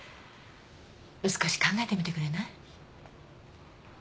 少し考えてみてくれない？